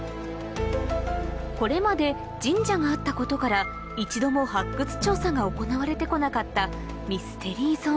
これまで神社があったことから一度も発掘調査が行われて来なかった